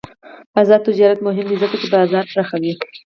آزاد تجارت مهم دی ځکه چې بازار پراخوي.